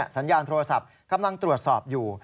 สัญญาณโทรศัพท์กำลังตรวจสอบอยู่